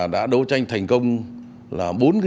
đã đấu tranh thành công